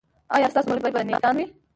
ایا ستاسو ملګري به نیکان وي؟